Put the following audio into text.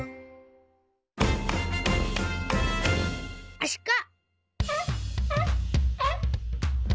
アシカ。